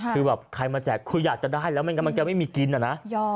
คือแบบใครมาแจกคืออยากจะได้แล้วไม่งั้นมันจะไม่มีกินอะนะ